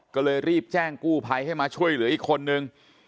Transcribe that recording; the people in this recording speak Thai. ก็เลยรีบแจ้งกู้ภัยให้มาช่วยเหลืออีกคนนึง